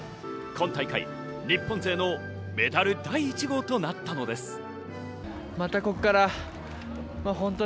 今大会、日本勢のメダル第１号となったのです。